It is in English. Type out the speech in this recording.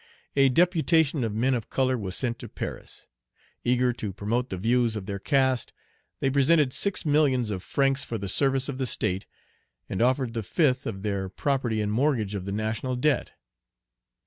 A deputation of men of color was sent to Paris. Eager to promote the views of their caste, they presented six millions of francs for the service of the State, and offered the fifth of their property in mortgage of the national debt.